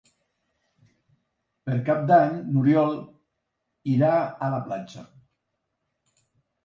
Per Cap d'Any n'Oriol irà a la platja.